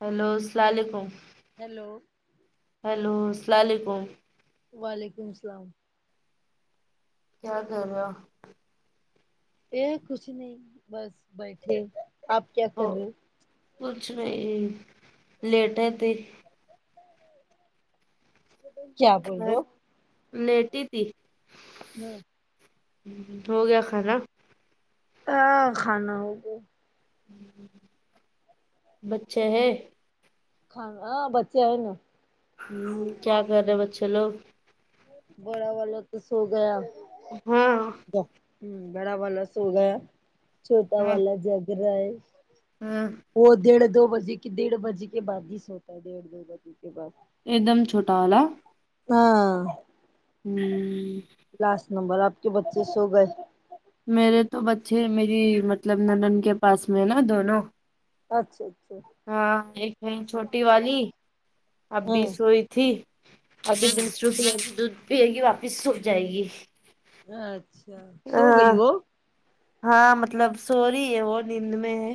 hello اسلام علیکم hello hello اسلام علیکم وعلیکم اسلام کیا کر رہے ہو یہ کچھ نہیں بس بیٹھے آپ کیا کر اور رہے ہو کچھ نہیں لیٹے تھے کیا بولو لیٹی تھی ہاں ہو گیا کھانا ہاں کھانا ہوگیا بچے ہے ہاں بچے آئے نا ہوں کیا کر رہے ہیں بچے لوگ بڑا والا تو سو گیا ہاں ہ بڑا والا سو گایا چھوٹا ہاں والا جگ رہا ہے ہاں وہ ڈیھ دو بجے کے ڈیڑھ بجے کے بعد ہی سوتا ہے ڈیڑھ دو بجے کے بعد ایک دم چھوٹا والا ہاں ھممم لاسٹ نمبر آپ کے بچے سو گئے میرے تو بچے میری مطلب ننند کے پاس میں ہے نا دونوں اچھا اچھا ہاں ایک کہیں چھوٹی والی ابھی ہمم سو ئی تھی ابھی ہمم دوسرو دودھ [inaudible] پئے گی واپس سو جائے گی اں اچھا سو ہاں گئی وہ ہاں مطلب سو رہی ہے وہ نیند میں ہے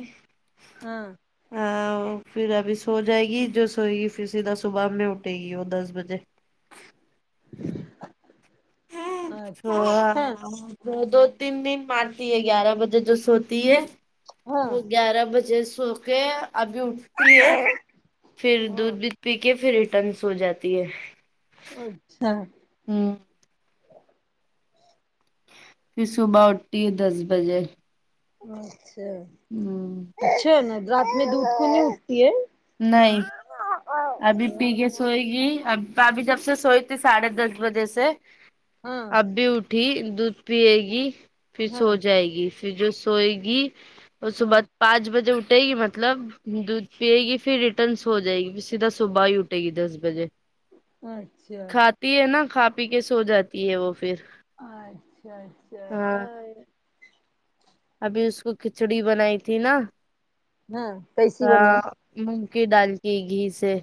ہاں ہاں تو پھر ابھی سو جائے گی جو سوئے گی پھر سیدھا صبح میں اٹھے گی وہ دس بجے اچھا ہوا اچھا نا دو دو تین دن مارتی ہے گیارہ بجے جو سوتی ہے ہاں وہ گیارہ بجے سوکے ابھی اٹھی ہے پھر ہاں دودھ بھی پی کے پھر ریٹرن سو جاتی ہے اچھا ھمم پھر صبح اٹھتی ہے دس بجے اچھا ھمم اچھا نا رات میں دودھ کو نہیں اٹھتی ہے نہیں ابھی پی کے سوئے گی اب ابھی جب سے سوئی تھی ساڑھے دس بجے سے ہاں اببھی اٹھی دودھ پیئے گی پھر ہاں سو جائے گی پھر جو سوئے گی وہ ہاں صبح پانچ بجے اٹھے گی مطلب دودھ پیئے گی پھر ریٹرن سو جائے گی سدھا صبح ہی اٹے گی دس بجے اچھا تی ہے نا کھا پی کے سو جاتی ہے وہ پھر اچھا اچھا ہاں ا ابھی اس کو کھچڑی بنائی تھی نا ہاں کیسی بنائے ہاں مونگ کی دال کی گھی سے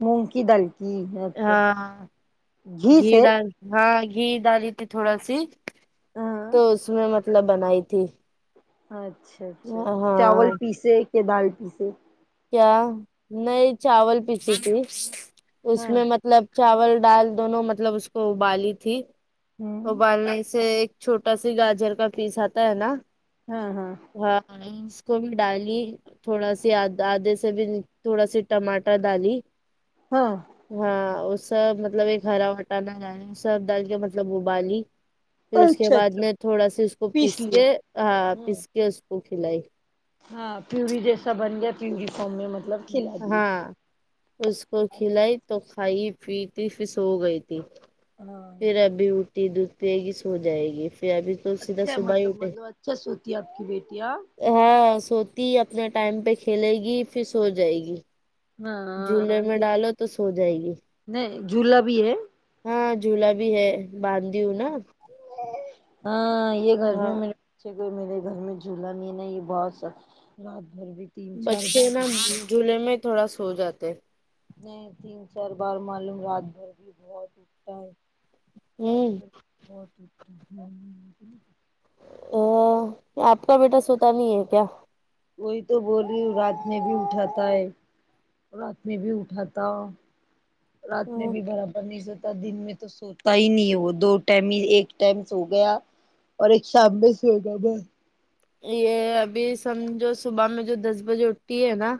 مونگ کی دال کی اچھا ہاں گھی سے ہاں گھی ڈالی تھی تھوڑا سی ہاں تو اس میں مطلب بنائی تھی اچھا اچھا چاول ہاں پیسے کہ دال پیسے کیا نہیں چاول پیسیی تھی اس ہاں میں مط لب چاول ڈال دونوں مطلب اس کو ابالی تھی ہمم ابالنے سے ایک چھوٹا سا گاجر کا پیس آتا ہے نا ہاں ہاں ہاں اس کو بھی ڈالی تھوڑا سی آد آدھے سے بھی تھوڑا سی ٹماٹر دالی ہاں ہاں وہ سب مطلب ایک ہرا بٹانا ڈالی سب ڈال کے مطلب ابالی پھر اس کے اچھا بعد اچھا میں تھوڑا سی اس کو پیس کے ہاں ہوں پیس کے اس کو کھلائی ہاں پیوری جیسا بن گیا پیوری فم میں م ہاں اس کو کھلائی تو کھائی پیتی سو گئی تھی ہاں پھر ابھی اٹٹیتی دودھ پیئے گی سو جائے گی پھر ابھی تو سیدھا اچھا صبح ہی مطلب اٹھے مطلب اچھا سوتی ہے آپ کی بیٹی ہاں ہاں سوتی اپنا ٹائم پہ کھیلے گی پھر سو جائے گی جھولے ہاں میں یہ ڈالو تو سو جائے گی نہیں جھولا بھی ہے ہاں جھولا بھی ہے باندی ہوں نا ہاں یہ گھر ہاں میں مل کوئی میرے گھر میں جھولا بھی نہیں ہے نا یہ گھر بھی تین چار بچے بار نا اٹھتا ہے، جھولے میں تھوڑا سو جاتے اٹھتے ہے تین چار بار معلوم رات بھر بھی بہت اٹتا ہے رات ہوں بھر بھی بہت اٹھٹی ہو ا آپ کا بیٹا سوتا نہیں ہے کیا وہی تو بول رہی ہ رات میں بھی اٹھاتا ہے رات میں بھی اٹھاتا رات میں ہوں بھی برابر نہیں سوتا دن میں تو سوتا ہی نہیں ہے وہ دو ٹائم ہی ایک ٹائم سو گیا اور ایک شام میں سوئے گا بس یہ ابھی سمجھو صبح میں جو دس بجے اٹھتی ہے نا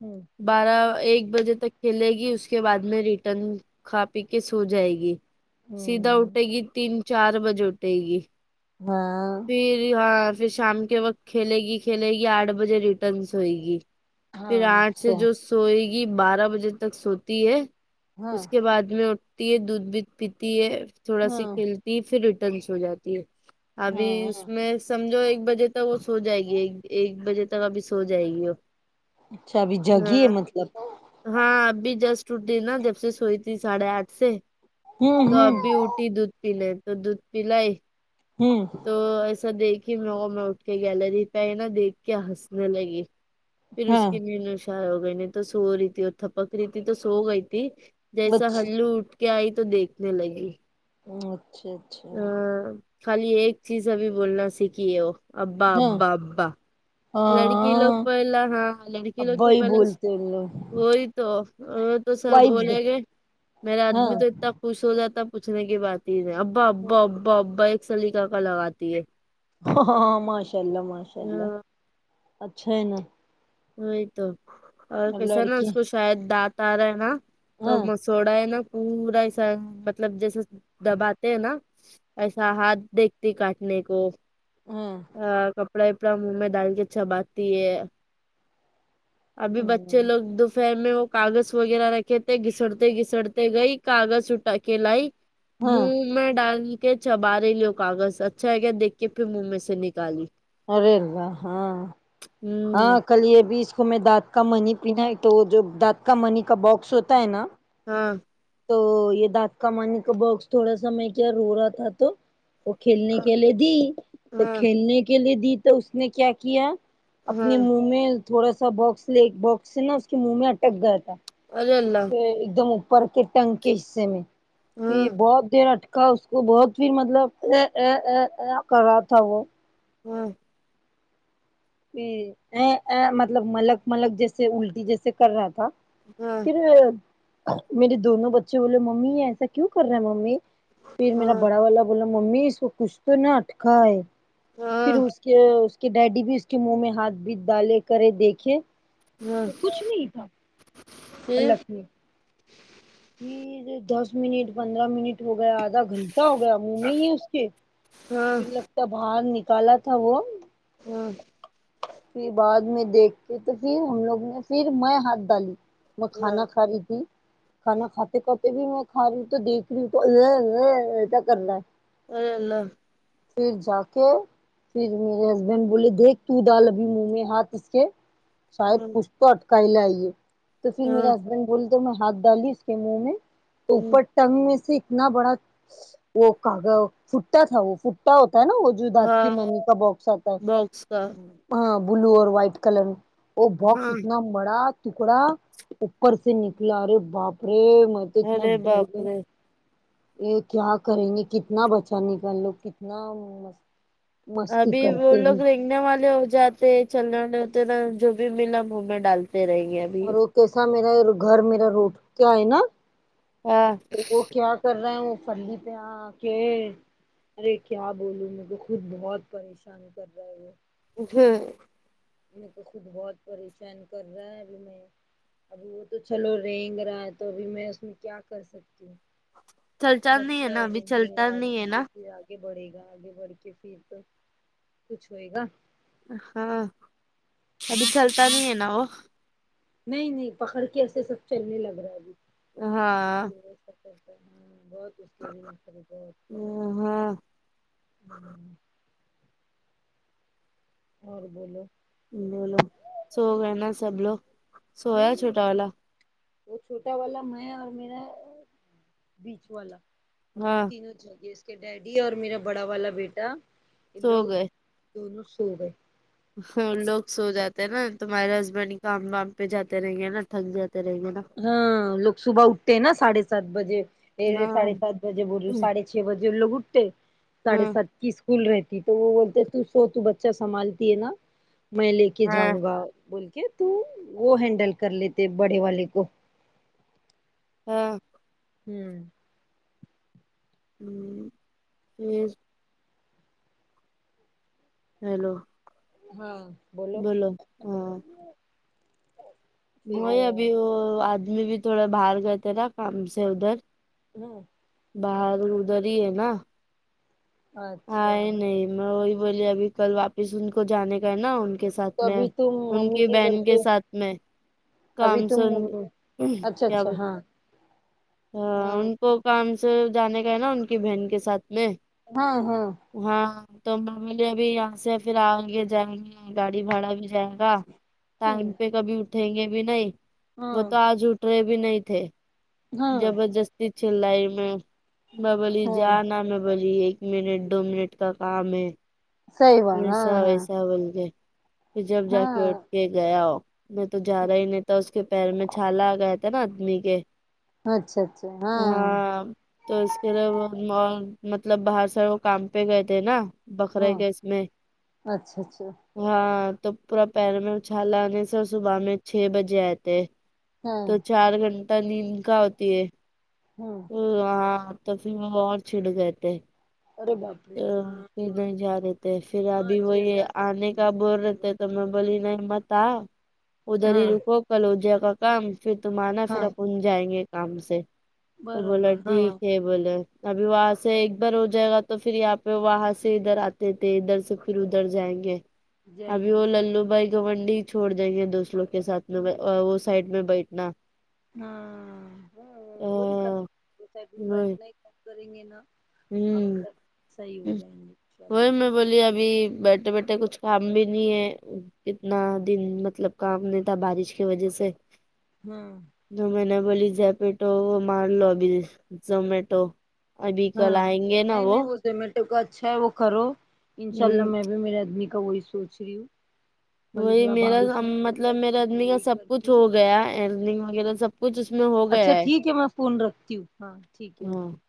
ہوں یہ بارہ ایک بجے تک کھیلے گی اس کے بعد میں ریٹرن کھا پی کے سو جائے گی سیدھا ہوں اٹھے گی تین چار بجے اٹھے گی ہاں پھر ہاں پھر شام کے وقت کھیلے گی کھیلے گی آٹھ بجے ریٹرن سوئے گی پھر ہاں آٹھ سے اچھا جو سوئے گی بارہ بجے تک سوتی ہے ہاں اس کے بعد میں پی دودھ بھی پیتی ہے تھوڑا سی ہاں کھیلتی ہے پھر ریٹرن سو جاتی ہے ابھی اس ہاں میں سمجھو ایک بجے تک وہ سو جائے گی ایک ایک بجے تک ابھی سو جائے گی وہ اچھا ابھی جگی ہے ہاں مطلب ہاں ابھی جسٹ اٹھی نا جب سے سوئی تھی ساڑھے آٹھ سے ہوں تو اب ہوں بھی اٹھی تو دودھ پی لیں تو دودھ پی لائی ہوں تو ایسا دیکھی میں اٹھ کے گیلری پہ ہی نا دیکھ کے ہنسنے لگی پھر اس ہاں کی نیند اشار ہو گئی نہیں تو سو رہی تھی اور تھپک رہی تھی تو سو گئی تھی جیسا اچھا ہلو اٹھ کے آئی تو دیکھنے لگی ہ اچھا اچھا ہاں خالی ایک چیز ابھی بولنا سیکھی ہے وہ ابا ہاں ابا ابا لڑکی لوگ ہاں پہلا ہاں لڑکی لوگ ابا تو ہی پہلا بولتے ان لوگ وہی تو وہ تو سب وائفس دے بولیں گے میرا ہاں آدمی تو اتنا خوش ہو جاتا پوچھنے کی بات ہی نہیں ابا ابا ابا ابا ایک سلیکا کا لگاتی ہے ہاں ہاں ماشاء اللہ ماشاء اللہ ہاں اچھا ہے نا وہی تو اور کیسا ہے نا لڑکی اس کو شاید دانت آ رہا ہے نا تو ہاں م مسوڑا ہے نا پورا ایسا مطلب جیسے دباتے ہیں نا ایسا ہاتھ دیکھتی کاٹنے کو ہوں ہاں کپڑا اپڑا منہ میں ڈال کے چباتی ہے ابھی بچے لوگ دوفہر میں وہ کاغذ وغیرہ رکھے تھے گھسڑتے گھسڑتے گئی کاغذ اٹا کے لائی ہاں موہ میں ڈال کے چبا رہی لوں کاغذ اچھا ہے کیا دیکھ کے پھر منہ میں سے نکالی ارے اللہ ہاں ہاں ہوں کل یہ بی اس کو میں ڈ کا منی پناہے تو وہ جو دات کا منی کا باکس ہوتا ہے نا ہاں تو یہ دانت کا مانی کا باکس تھوڑا سا میں کیا رو رہا تھا تو وہ کھیلنے کے لیے دی تو ہاں کھیلنے کے لیے دی تو اس نے کیا کیا اپنے ہاں منہ میں تھوڑا سا باکس ل باکس سے نا اس کے منہ میں اٹک گیا تھا ارے اس اللہ کے ایک دم اوپر کے ٹنگ کے حصے میں ہاں پھر بہت دیر اٹک کا اس کو بہت بھی مطلب ای ا ا ا کر رہا تھا وہ ہوں ا ا مطلب ملک ملک جیسے الٹی جیسے کر رہا تھا ہاں پھر میرے دونوں بچے بولے ممی ایسا کیوں کر رہے ہیں ممی پھر میرا بڑا والا بولا ممی اس کو کچھ تو نہ اٹکا ہے پھر اس کے اس کے ڈیڈی بھی اس کے منہ میں ہاتھ بیت ڈالے کرے دیکھے تو کچھ نہیں تھا ہلاک میں پھر دس منٹ پندرہ منٹ ہو گیا آدھا گھنٹہ ہو گیا منہ میں لی اس کے پھر لگتا ہے باہر نکالا تھا وہ ہوں پھر بعد میں دیکھ کے تو فر ہم لوگ نے فر میں ہاتھ ڈالی میں کھانا باکس کھا ری تھی کھانا کھاتے کھاتے بھی میں کھا رہی ہوں تو دیکھ رہی تو اے اے ایسا کر را اے اللہ پھر جا کے پھر میرے ہسبینڈ بولے دیکھ تو ڈال ابھی منہ میں ہاتھ اس کے شاید کچھ تو اٹکائی لا یہ تو پھر میرے ہسبینڈ بولے تو میں ہاتھ ڈالی اس کے منہ میں پوپٹ ٹنگ میں سے اتنا بڑا وہ کاغ فٹا تھا وہ فٹا ہوتا ہے نا وہ جدات کی ممی کا باکس آتا ہے کا ہاں بلو اور وائٹ کلر میں وہ باکس اتنا بڑا ٹکڑا اوپر سے نکلا رے باپرے م اتنا ارے ڈر باپ گیا رے یہ کیا کریں گے کتنا بچا نکل کتنا مستی کرتے ہے سنے والے ہو جاتے چلنے والے ہوتے ہیں نا جو بھی ملا منہ میں ڈالتے رہیں گے ابھی اور وہ کیسا میرا گھر میرا روٹ کیا ہے نا ہاں وہ کیا کر رہے ہیں وہ فھلی پے اکے ارے کیا بولوں میر کو خود بہت پریشان کر رہا وہ [unintelligible] ابھی میں تو خود بہت پریشان کر رہا ہے ابھی میں ابھی وہ تو چلو رینگ رہا ہے تو ابھی میں اس میں کیا کر سکتی ہوں چلتا نہیں ہے بچہ نا ابھی رینگیں چلتا گا نہیں رینگ ہے نا کے پھر آگے بڑھے گا آگے بڑھ کے پھر تو کچھ ہوئے گا ہاں ابھی چلتا نہیں ہے نا وہ نہیں نہیں پکڑ کے ایسے سب چلنے لگ رہا ہے ہاں ابھی ہوں بہت اس کے بھی بہت ہوں ہاں اور بولو بولو سو گئے نا سب لوگ سویا نہیں چھوٹا والا وہ چھوٹا والا میں اور میرا بیچ والا ہم لوگ ہاں تینوں جگے اس کے ڈیڈی اور میرا بڑا والا بیٹا ان سو لوگ دونوں سوگئے ہاں ان لوگ سو جاتے نا تمہارے ہسبینڈ کام وام پہ جاتے رہیں گے نا تھک جاتے رہیں گے نا ہاں ان لوگ صبح اٹھتے ہیں نا ساڑھے سات بجے اے ہاں ساڑھے سات بجے بول رہی ہوں ساڑھے چھ بجے ان لوگ اٹھتے ساڑھے ہاں سات کی اسک کول رہتی ہے تو وہ بولتے تو سو تو بچہ سنبھالتی ہے نا میں لے کے ہاں جاؤں گا بول کے تو وہ ہینڈل کر لیتے بڑے والے کو ہاں ہوں ہوں [unintelligible] ہیلو ہاں بولو ہاں پھر وہی ابھی وہ آدمی بھی تھوڑا باہر گئے تھے نا کام سے ادھر سناؤ باہر ادھر ہی ہے نا آے اچھا ہی نہیں میں وہی بولی ابھی کل واپس ان کو جانے کا ہے نا ان کے ساتھ تو میں ابھی تم ان ممی کی گھر بہن کے پہ ساتھ میں ابھی کام سے تم ان کو اچھا کیا اچھا بولا ہاں آ ہاں ان کو کام سے جانے کا ہے نا ان کی بہن کےساتھ میں ہاں ہاں ہاں تو بولی میں ابھی یہاں سے پھر آگے جائیں گے گاڑی بھاڑا بھی جائیگا آں ٹائم ہاں پہ کبھی اٹھیں گے بھی نہیں وہ ہاں تو آج اٹھ رہے بھی نہیں تھے ہاں زبردستی چلائی میں میں بولی ہاں جانا میں بولی ایک منٹ دو منٹ کا کام ہے صحیح بات ایسا ہاں ہاں ویسا بول کے پھر جب جا کے اٹھ ہاں کے گیا وہ نہیں تو جارا ہی نہیں تھا اس کے پیر میں چھالا آ گیا تھا نا آدمی کے اچھا اچھا ہاں تو اس کے لیے وہ ما مطلب باہر سے وہ کام پہ گئے تھے نا ہاں بکرے کے میں اچھا اچھا ہاں تو پورا پیر میں وہ چھالا آنے سے صبح میں چھ بجے آئے تھے ہاں تو چار گھنٹہ نیند کہاں ہوتی ہے ہوں اوں ہاں ہاں تو پھر مال چھوٹ گئے تھے اررے باپ رے تو ہاں پھر ہاں نہیں جا رہےتھے پھر ہاں ابھی وہ چڑ یہ آنے کا بول رہے جاتے تھےتو میں بولی نہیں مت اؤ ادھر ہی ہاں رکو کل ہو جاۓ گا کام پھر تم آنا پھر ہاں اپن جائیں گے کام سے تو بولا ٹھیک ہے بولے ابھی وہاں سے ایک بار ہو جائے گا تو پھر یہاں پے وہاں سے ادھر آتے تھے ادھر سے پھر ادھر جائیں گے جائیں ابھی گے وہ سر للو بھائی گھمنڈی چھوڑ دیں گے دوسرو کے ساتھ میں وہ ا سائڈ میں بیٹھنا ہاں وہی کر ہ کیسا بھی بیٹھنےکا کریں گے نا اب تک صحیح ہو جائیں گے ان شاء اللہ بولیے ابھی بیٹھے بیٹھے کچھ کام بھی نہیں ہے اتنا دن مطلب کام نہیں تھا بارش کی وجہ سے ہاں تو میں نے بولی جپیٹو مار لو ابھی زومیٹو ابھی کل ہاں آئیں گے نا نہیں وہ نہیں زومیٹو کا اچھا ہے وہ کرو انشاء اللہ ہ میں بھی میرے آدمی کا وہی سوچ ریوں وہی میرا مطلب میرے میں آدمی کا یہی سب کچھ کرتی ہوں ہو گیا ارننگ وغیرہ سب کچھ اس میں ہو اچھا ٹھیک ہے میں فون رکھتی ہوں ہاں ٹھیک ہے اوکے ہاں